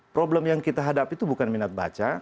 problem yang kita hadapi itu bukan minat baca